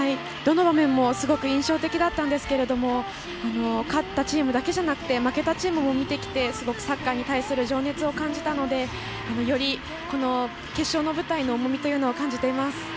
どの場面もすごく印象的だったんですけれども勝ったチームだけじゃなく、負けたチームも見てきてすごくサッカーに対する情熱を感じたので、より決勝の舞台の重みを感じています。